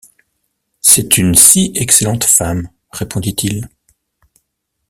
C’est une si excellente femme, répondit-il.